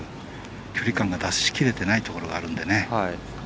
距離感が出しきれてないところがあるので。